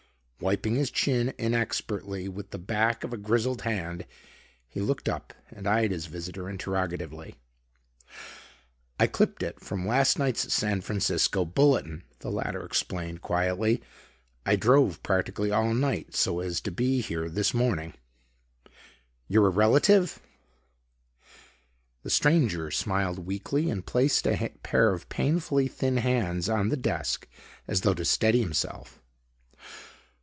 Wiping his chin inexpertly with the back of a grizzled hand, he looked up and eyed his visitor interrogatively. "I clipped it from last night's San Francisco Bulletin," the latter explained quietly. "I drove practically all night so as to be here this morning." "You're a relative?" The stranger smiled weakly and placed a pair of painfully thin hands on the desk as though to steady himself.